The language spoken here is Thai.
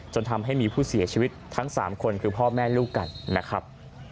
จนทำให้มีผู้เสียชีวิตทั้ง๓คนคือพ่อแม่ลูกกันนะครับ